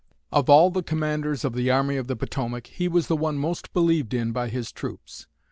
Of all the commanders of the Army of the Potomac, he was the one most believed in by his troops.